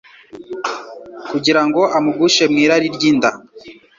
kugira ngo amugushe mu irari ry’inda.